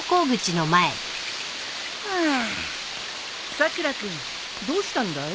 さくら君どうしたんだい？